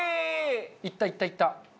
いったいったいった！